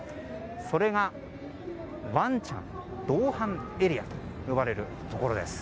それが、ワンちゃん同伴エリアと呼ばれるところです。